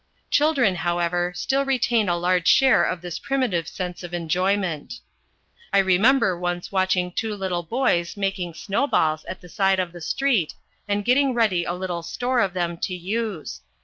Children, however, still retain a large share of this primitive sense of enjoyment. I remember once watching two little boys making snow balls at the side of the street and getting ready a little store of them to use.